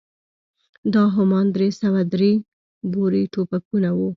دا همان درې سوه درې بور ټوپکونه وو.